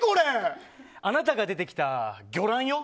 あなたが出てきた魚卵よ。